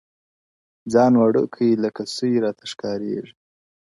ځان وړوکی لکه سوی راته ښکاریږي-